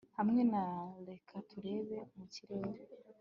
hamwe na, 'reka turebe mu kirere